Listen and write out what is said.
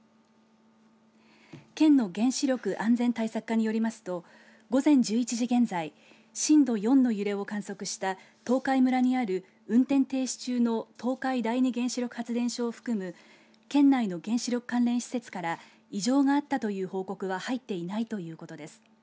県の原子力安全対策課によりますと午前１１時現在震度４の揺れを観測した東海村にある運転停止中の東海第二原子力発電所を含む県内の原子力関連施設から異常があったという報告は入っていないということです。